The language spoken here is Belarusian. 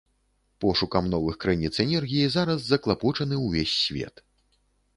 Пошукам новых крыніц энергіі зараз заклапочаны ўвесь свет.